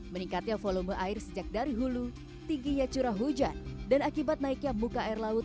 meningkatnya volume air sejak dari hulu tingginya curah hujan dan akibat naiknya muka air laut